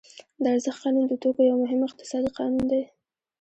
د ارزښت قانون د توکو یو مهم اقتصادي قانون دی